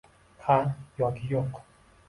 – “Ha” yoki “yo‘q”?